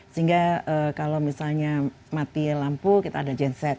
sehingga kalau misalnya mati lampu kita ada genset